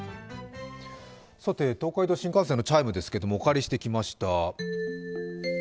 東海道新幹線のチャイムですけれども、お借りしてきました。